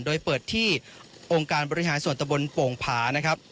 โดยเปิดที่องค์การบริหารส่วนตะบนโป่งผานะครับ